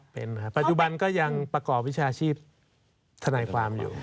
เป็นครับปัจจุบันก็ยังประกอบวิชาชีพทนายความอยู่